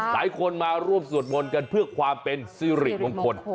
หลายคนมาร่วมสวดมนต์กันเพื่อความเป็นสิริมงคล